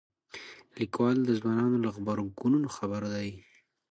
لیکوال د ځوانانو له غبرګونونو خبر دی.